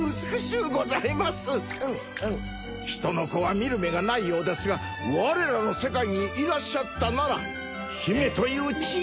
うんうんヒトの子は見る目がないようですが我らの世界にいらっしゃったなら姫という地位！